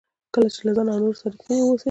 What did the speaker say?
کله چې له ځان او نورو سره ریښتیني واوسئ.